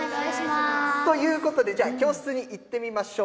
ということで、じゃあ、教室に行ってみましょう。